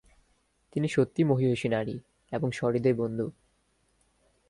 তিনি সত্যি মহীয়সী নারী এবং সহৃদয় বন্ধু।